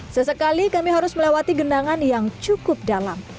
sesekali kami harus melewati genangan yang cukup dalam